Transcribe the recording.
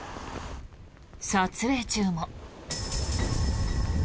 撮影中も。